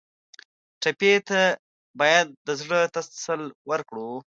ټپي ته باید د زړه تسل ورکړو.